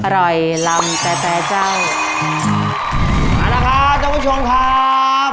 อร่อยลำแปลแปลเจ้ามาแล้วค่ะเจ้าผู้ชมครับ